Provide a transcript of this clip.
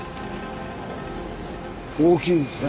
大きいですね。